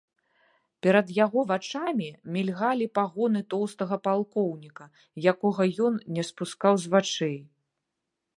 Перад яго вачамі мільгалі пагоны тоўстага палкоўніка, якога ён не спускаў з вачэй.